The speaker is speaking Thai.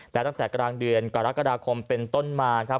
และตั้งแต่กลางเดือนกรกฎาคมเป็นต้นมาครับ